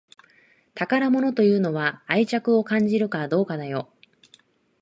宝物というのは愛着を感じるかどうかだよ